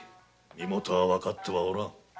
身元はわかってはおらん。